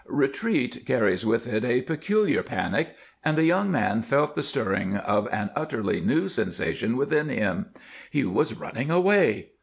Retreat carries with it a peculiar panic, and the young man felt the stirring of an utterly new sensation within him. He was running away!